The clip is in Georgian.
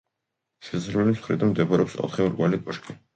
შესასვლელის მხრიდან მდებარეობს ოთხი მრგვალი კოშკი.